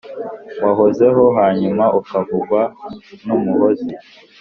wahozeho, hanyuma ukavugwa n’umuhozi